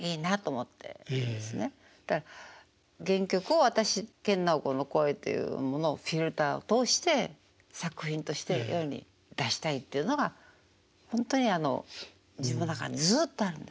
原曲を私研ナオコの声というものをフィルターを通して作品として世に出したいというのがほんとに自分の中にずっとあるんです。